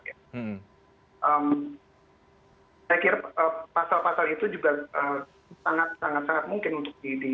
saya kira pasal pasal itu juga sangat sangat mungkin untuk di